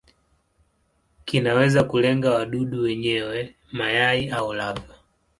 Kinaweza kulenga wadudu wenyewe, mayai au lava.